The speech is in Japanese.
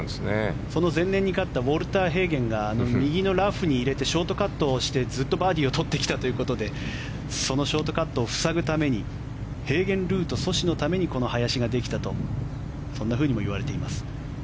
その前年に勝ったウォルター・ヘーゲンが右のラフに入れてショートカットをしてずっとバーディーを取ってきたということでそのショートカットを防ぐためにヘーゲンルート阻止のためにこの林ができたといわれています。